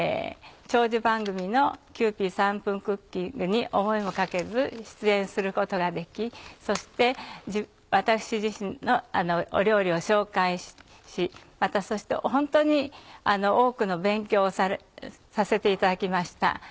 長寿番組の『キユーピー３分クッキング』に思いもかけず出演することができそして私自身のお料理を紹介しまたそして本当に多くの勉強をさせていただきました。